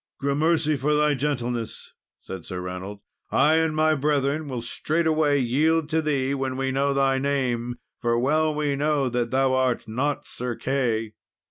"Grammercy for thy gentleness!" said Sir Reynold. "I and my brethren will straightway yield to thee when we know thy name, for well we know that thou art not Sir Key."